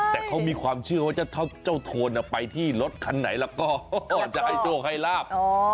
แต่เขามีความเชื่อว่าเจ้าโทนไปที่รถคันไหนแล้วก็จะให้โชคให้ลาบ